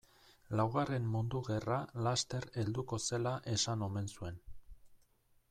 Laugarren mundu gerra laster helduko zela esan omen zuen.